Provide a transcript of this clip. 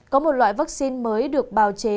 có một loại vaccine mới được bào chế